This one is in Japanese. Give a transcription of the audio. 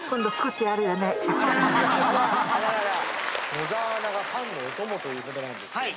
野沢菜がパンのお供ということなんですけど。